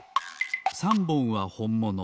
３ぼんはほんもの